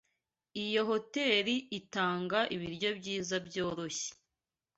Iyo hoteri itanga ibiryo byiza byoroshye.